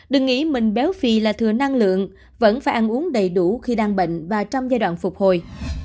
đừng nghĩ mình béo phì là thừa năng lượng vẫn phải ăn uống đầy đủ khi đang bệnh và trong giai đoạn phục hồi